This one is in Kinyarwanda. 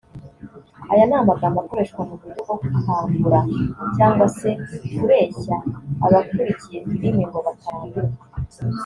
aya ni amagambo akoreshwa mu buryo bwo gukangura cyangwa se kureshya abakurikiye filime ngo batarambirwa